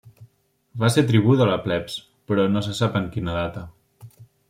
Va ser tribú de la plebs, però no se sap en quina data.